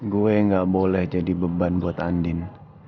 gue gak boleh jadi beban buat andin